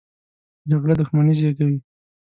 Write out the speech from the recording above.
جګړه دښمني زېږوي